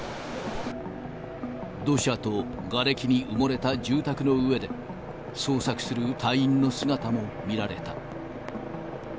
土砂とがれきに埋もれた住宅の上で捜索する隊員の姿も見られた。